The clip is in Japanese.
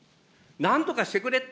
なんとかしてくれ。